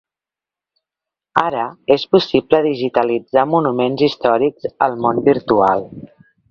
Ara és possible digitalitzar monuments històrics al món virtual.